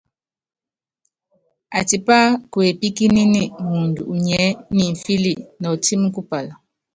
Atipí kuepíkíníni muundú unyiɛ́ nimfíli nɔɔtímí kupála.